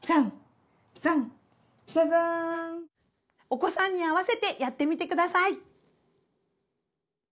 お子さんに合わせてやってみてください。